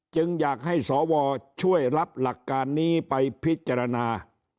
จึงอยากให้สวช่วยรับหลักการนี้ไปพิจารณา